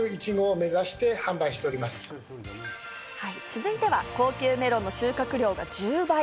続いては、高級メロンの収穫量が１０倍。